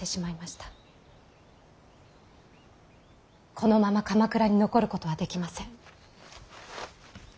このまま鎌倉に残ることはできません。